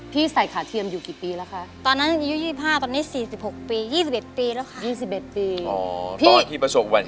พี่ใส่ขาเทียมอยู่กี่ปีแล้วคะ